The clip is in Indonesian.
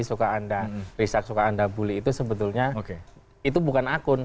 suka anda riset suka anda bully itu sebetulnya itu bukan akun